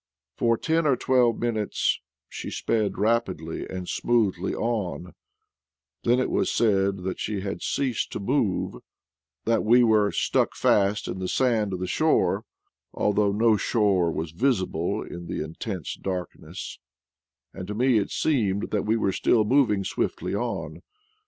For ten or twelve minutes she sped rapidly and smoothly on; then it was said that she had ceased to move, that we were stuck fast in the sand of the shore, although no 4 IDLE DAYS IN PATAGONIA shore was visible in the intense darkness, and to me it seemed that we were still moving swiftly on.